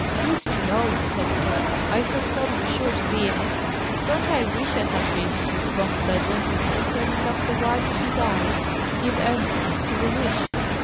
"Who's to know?" said Tom. "I thought Tod was sure to be in it." "Don't I wish I had been!" responded that gentleman, turning up the whites of his eyes to give earnestness to the wish.